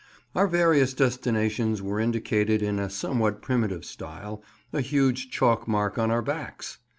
Our various destinations were indicated in a somewhat primitive style—a huge chalk mark on our backs.